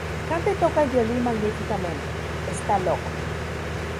Canta y toca el violín magníficamente; está loco".